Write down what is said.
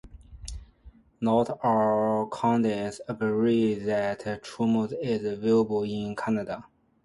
Not all Canadians agree that Trumpism is viable in Canada.